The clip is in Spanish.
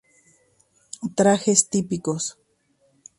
Trajes típicos.